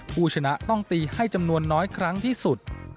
ผู้ชนะต้องตีให้จำนวนน้อยครั้งที่สุด